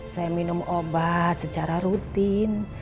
saya minum obat secara rutin